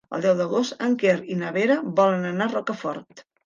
El deu d'agost en Quer i na Vera volen anar a Rocafort.